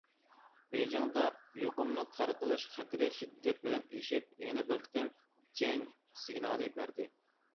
بېيجىڭدا يۇقۇمنىڭ تارقىلىش خەتىرى شىددەت بىلەن ئېشىپ، يەنە بىر قېتىم جەڭ سىگنالى بەردى.